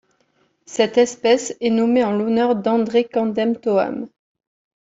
Cette espèce est nommée en l'honneur d'André Kamdem-Toham.